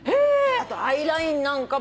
あとアイラインなんかも。